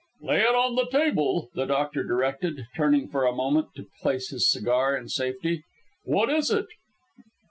"Lay it on the table," the Doctor directed, turning for a moment to place his cigar in safety. "What is it?"